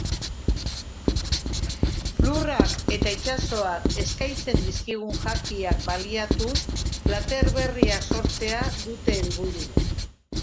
Lurrak eta itsasoak eskaintzen dizkigun jakiak baliatuz, plater berriak sortzea dute helburu.